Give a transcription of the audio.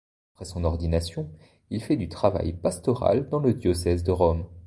Après son ordination il fait du travail pastoral dans le diocèse de Rome.